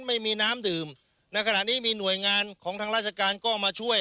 ไม่มีน้ำดื่มในขณะนี้มีหน่วยงานของทางราชการก็มาช่วย